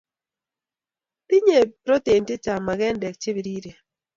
Tinyei protein chechang mugandek che biriren